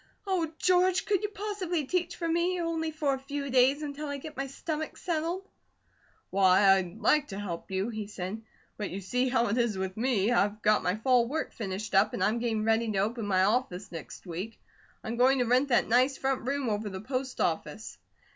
Oh, George, could you possibly teach for me, only for a few days, until I get my stomach settled?" "Why, I'd like to help you," he said, "but you see how it is with me. I've got my fall work finished up, and I'm getting ready to open my office next week. I'm going to rent that nice front room over the post office."